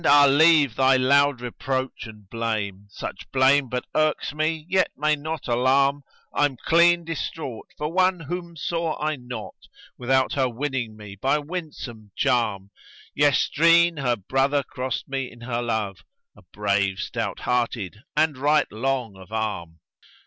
ah leave thy loud reproach and blame; * Such blame but irks me yet may not alarm: I'm clean distraught for one whom saw I not * Without her winning me by winsome charm Yestreen her brother crossed me in her love, * A Brave stout hearted and right long of arm."